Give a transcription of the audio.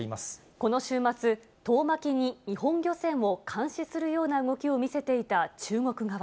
この週末、遠巻きに日本漁船を監視するような動きを見せていた中国側。